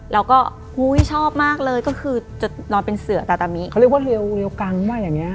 แล้วก็อุ้ยชอบมากเลยก็คือจะนอนเป็นเสือตาตามิเขาเรียกว่าเร็วกังว่าอย่างเงี้